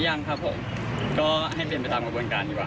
ยังครับผมก็ให้เป็นไปตามกระบวนการดีกว่า